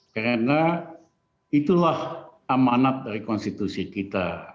karena itulah amanat dari konstitusi kita